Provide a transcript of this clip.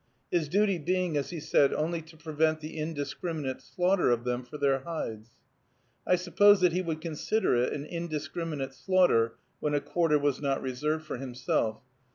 His duty being, as he said, only to prevent the "indiscriminate" slaughter of them for their hides. I suppose that he would consider it an indiscriminate slaughter when a quarter was not reserved for himself.